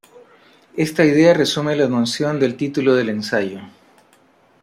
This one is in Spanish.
Esta idea resume la noción del título del ensayo.